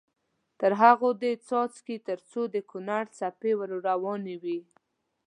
تر هغو دې څاڅي تر څو د کونړ څپې ور روانې وي.